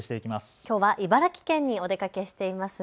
きょうは茨城県にお出かけしていますね。